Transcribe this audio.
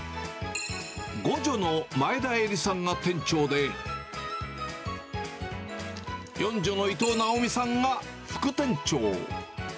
五女の前田恵理さんが店長で、四女の伊藤直美さんが副店長。